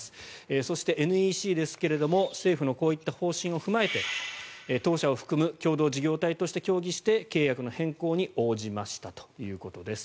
そして、ＮＥＣですが政府のこういった方針を踏まえて当社を含む共同事業体として協議して契約の変更に応じましたということです。